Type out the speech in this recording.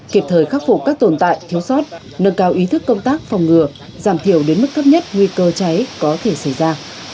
kịp thời khắc phục các tồn tại thiếu sót nâng cao ý thức công tác phòng ngừa giảm thiểu đến mức thấp nhất nguy cơ cháy có thể xảy ra